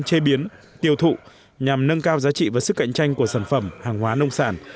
chế biến tiêu thụ nhằm nâng cao giá trị và sức cạnh tranh của sản phẩm hàng hóa nông sản